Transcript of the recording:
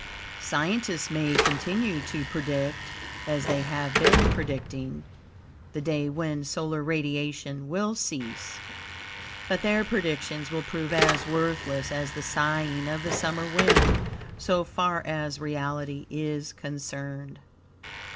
Scientists may continue to predict, as they have been predicting, the day when solar radiation will cease, but their predictions will prove as worthless as the sighing of the summer wind, so far as reality is concerned.